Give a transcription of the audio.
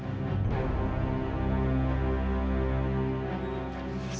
saya juga mau berpikir